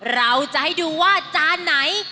เราจะให้ดูว่าจานไหน